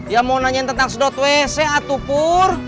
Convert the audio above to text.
ya mau nanyain tentang sedot wc atuh pur